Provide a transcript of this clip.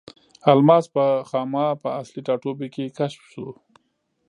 الماس په خاما په اصلي ټاټوبي کې کشف شو.